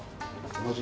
同じ。